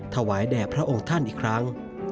ถวายแด่พระองค์ท่านอีกครั้ง